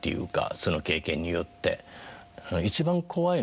その経験によって。